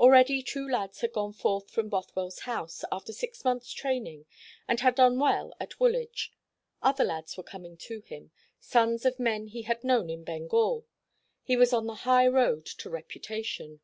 Already two lads had gone forth from Bothwell's house, after six months' training, and had done well at Woolwich. Other lads were coming to him sons of men he had known in Bengal. He was on the high road to reputation.